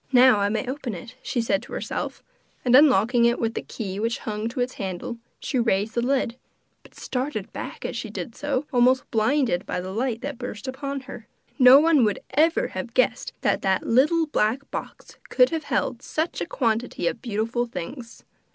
'Now I may open it,' she said to herself; and unlocking it with the key which hung to its handle, she raised the lid, but started back as she did so, almost blinded by the light that burst upon her. No one would ever have guessed that that little black box could have held such a quantity of beautiful things!